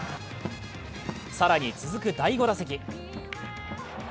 更に続く第５打席。